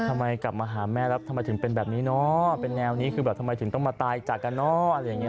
ทำไมกลับมาหาแม่แล้วทำไมถึงเป็นแบบนี้เนอะเป็นแนวนี้คือแบบทำไมถึงต้องมาตายจากกันเนอะอะไรอย่างนี้